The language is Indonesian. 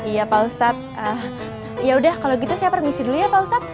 iya pak ustadz ya udah kalau gitu saya permisi dulu ya pak ustadz